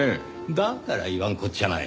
だから言わんこっちゃない。